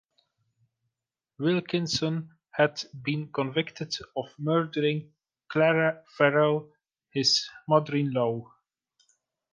Wilkinson had been convicted of murdering Clara Farrell, his mother-in-law.